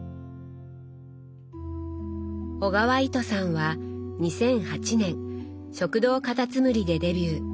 小川糸さんは２００８年「食堂かたつむり」でデビュー。